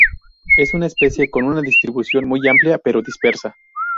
Es una especie con una distribución muy amplia, pero dispersa.